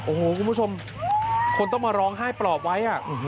โอ้โหคุณผู้ชมคนต้องมาร้องไห้ปลอบไว้